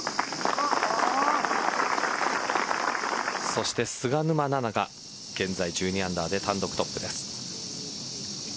そして菅沼菜々が現在１２アンダーで単独トップです。